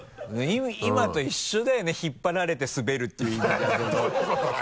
今と一緒だよね引っ張られてスベるって意味だけとると